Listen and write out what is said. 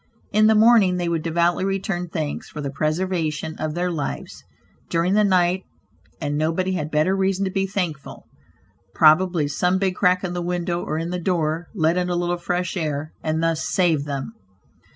In the morning they would devoutly return thanks for the "preservation of their lives," during the night, and nobody had better reason to be thankful. Probably some big crack in the window, or in the door, let in a little fresh air, and thus saved them.